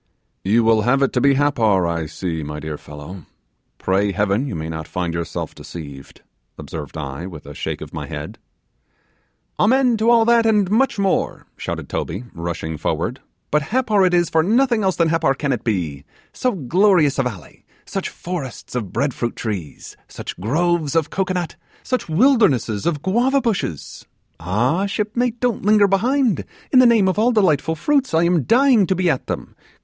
'You will have it to be Happar, I see, my dear fellow; pray Heaven you may not find yourself deceived,' observed I, with a shake of my head. 'Amen to all that, and much more,' shouted Toby, rushing forward; 'but Happar it is, for nothing else than Happar can it be. So glorious a valley such forests of bread fruit trees such groves of cocoanut such wilderness of guava bushes! Ah! shipmate! don't linger behind: in the name of all delightful fruits, I am dying to be at them.